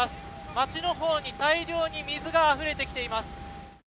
町の方に大量に水があふれてきています。